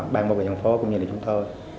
bang bảo vệ dân phố cũng như là chúng tôi